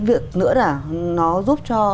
việc nữa là nó giúp cho